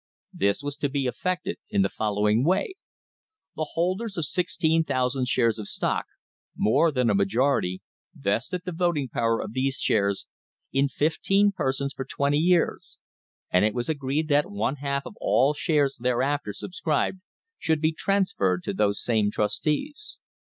This was to be effected in the following way: the holders of 16,000 shares of stock more than a majority vested the voting power of these shares in fifteen persons for twenty years, and it was agreed that one half of all shares thereafter subscribed should be transferred to those same trustees.